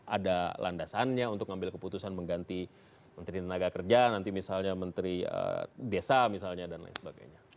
ada landasannya untuk mengambil keputusan mengganti menteri tenaga kerja nanti misalnya menteri desa misalnya dan lain sebagainya